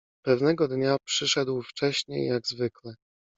Pewnego dnia przyszedł wcześniej jak zwykle.